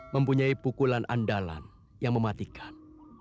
mempunyai pukulan andalan yang mematikan